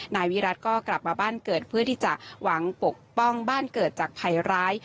นายวิรัติก็กลับมาบ้านเกิดเพื่อที่จะหวังปกป้องบ้านเกิดจากภัยร้าย